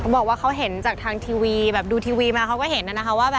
เขาบอกว่าเขาเห็นจากทางทีวีดูทีวีมาเขาก็เห็นนะครับว่า